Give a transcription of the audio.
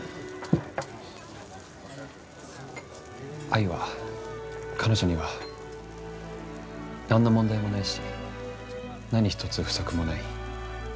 愛は彼女には何の問題もないし何一つ不足もない。